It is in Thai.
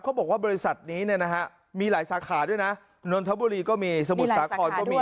บริษัทนี้เนี่ยนะฮะมีหลายสาขาด้วยนะนนทบุรีก็มีสมุทรสาครก็มี